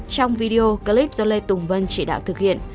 trong video clip do lê tùng vân chỉ đạo thực hiện